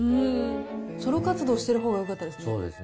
ソロ活動してるほうがよかったですね。